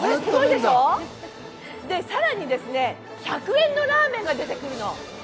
さらに１００円のラーメンが出てくるの。